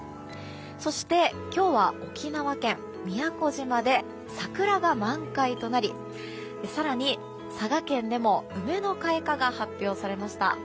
そして今日は、沖縄県宮古島で桜が満開となり更に、佐賀県でも梅の開花が発表されました。